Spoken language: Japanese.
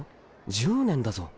１０年だぞ？